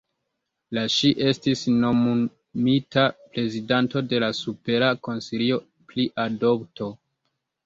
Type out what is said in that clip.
La ŝi estis nomumita prezidanto de la Supera Konsilio pri Adopto.